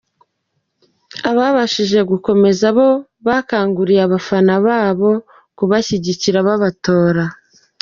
Ababashije gukomeza bo bakanguriye abafana babo kubashyigikira babatora.